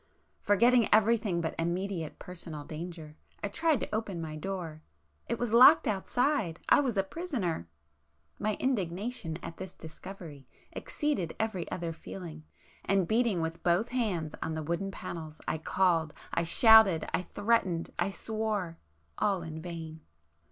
Forgetting everything but immediate personal danger, I tried to open my door. It was locked outside!—I was a prisoner! My indignation at this discovery exceeded every other feeling, and beating with both hands on the wooden panels, I called, I shouted, I threatened, I swore,——all in vain!